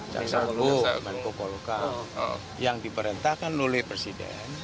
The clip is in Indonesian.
jaksa agung menkopol kukam yang diperintahkan oleh presiden